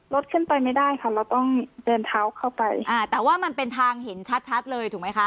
รถขึ้นไปไม่ได้ค่ะเราต้องเดินเท้าเข้าไปอ่าแต่ว่ามันเป็นทางเห็นชัดชัดเลยถูกไหมคะ